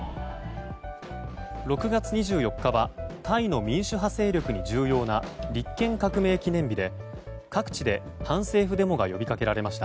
６月２４日はタイの民主派勢力に重要な立憲革命記念日で、各地で反政府デモが呼びかけられました。